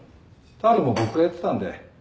タオルも僕がやってたんで。